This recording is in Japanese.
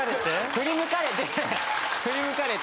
振り向かれて振り向かれて。